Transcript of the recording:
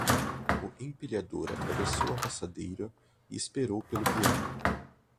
O empilhador atravessou a passadeira e esperou pelo peão.